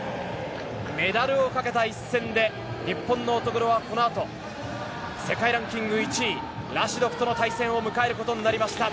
メダルをかけた一戦で日本の乙黒はこのあと世界ランキング１位ラシドフとの対戦を迎えることになりました。